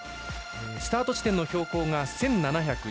スタート地点の標高が１７１２ｍ。